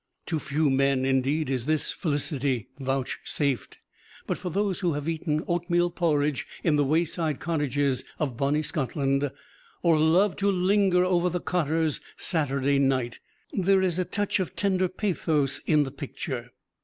To few men indeed is this felicity vouchsafed. But for those who have eaten oatmeal porridge in the wayside cottages of bonny Scotland, or who love to linger over "The Cotter's Saturday Night," there is a touch of tender pathos in the picture.